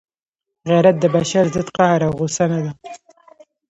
غیرت د بشر ضد قهر او غصه نه ده.